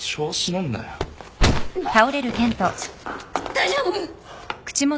大丈夫！？